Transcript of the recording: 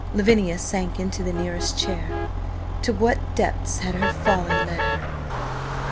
Lavinia sank into the nearest chair. To what depths had her folly led her?